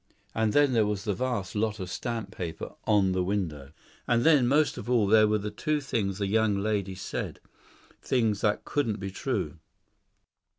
And then there was the vast lot of stamp paper on the window. And then, most of all, there were the two things the young lady said things that couldn't be true.